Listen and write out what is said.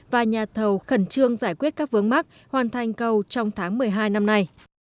và nhà thầu khẩn trương giải quyết các vướng mắc hoàn thành cầu trong tháng một mươi hai năm nay